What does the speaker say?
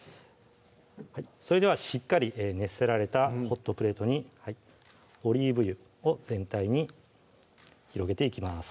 それではしっかり熱せられたホットプレートにオリーブ油を全体に広げていきます